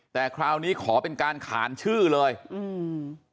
แต่คราวนี้ขอเป็นการขานชื่อเลยอืม